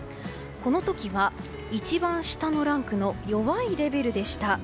この時は一番下のランクの弱いレベルでした。